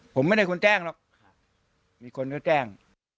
ผมไม่ได้คนแจ้งหรอกมีคนเขาแจ้ง